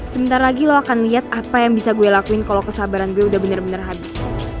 sebentar lagi lo akan lihat apa yang bisa gue lakuin kalau kesabaran gue udah bener bener habis